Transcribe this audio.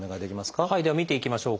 では見ていきましょう。